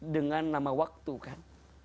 dengan nama waktu kan